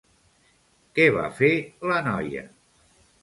Què va fer la noia?